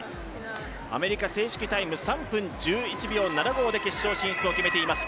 アメリカ、正式タイム３分１１秒７５で決勝進出を決めています。